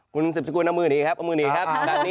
คุณสิบสิบคุณเอามือหนีครับ